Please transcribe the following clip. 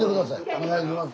お願いします。